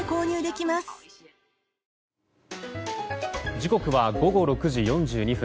時刻は午後６時４２分。